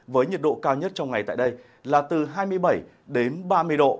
với nhiệt độ cao nhất trong ngày tại đây là từ hai mươi bảy đến ba mươi độ